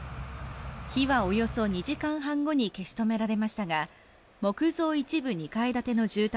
火はおよそ２時間半後に消し止められましたが木造一部２階建ての住宅